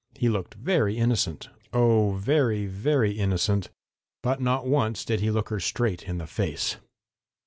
He looked very innocent, oh, very, very innocent, but not once did he look her straight in the face.